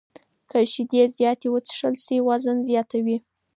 که شیدې زیاتې وڅښل شي، وزن زیاتوي.